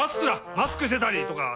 マスクしてたりとか。